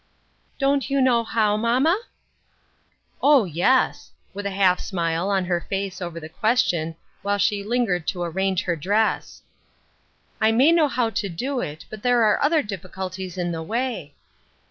"Don't you know how, mamma?" " O, yes !" with a half smile on her face over the question while she lingered to arrange her dress ;" I may know how to do it, but there are other diffi culties in the way."